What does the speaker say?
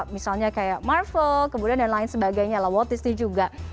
misalnya kayak marvel kemudian dan lain sebagainya lah wotis juga